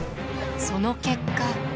その結果。